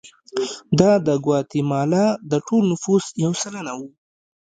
دا د ګواتیمالا د ټول نفوس یو سلنه وو.